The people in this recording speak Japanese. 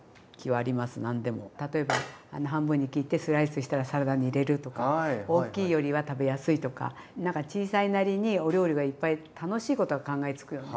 例えば半分に切ってスライスしたらサラダに入れるとか大きいよりは食べやすいとかなんか小さいなりにお料理がいっぱい楽しいことは考えつくよね。